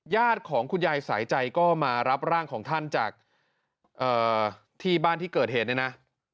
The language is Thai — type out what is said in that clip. ญาติของคุณยายสายใจก็มารับร่างของท่านจากที่บ้านที่เกิดเหตุเนี่ยนะ